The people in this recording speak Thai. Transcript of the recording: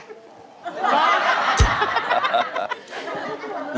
ไม่รู้ถามเก่งเหมือนใคร